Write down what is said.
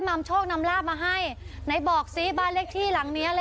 แล้วมันไม่มีที่บอกว่าไหนบอกของบ้านเรื่องที่หลังบอกก็ได้